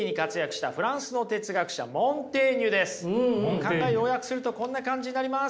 考え要約するとこんな感じになります。